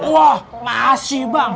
wah masih bang